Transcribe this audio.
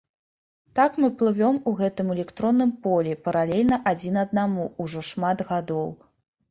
Так мы плывём у гэтым электронным полі паралельна адзін аднаму ўжо шмат гадоў.